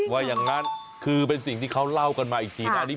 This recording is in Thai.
ว่าอย่างนั้นคือเป็นสิ่งที่เขาเล่ากันมาอีกทีหน้านี้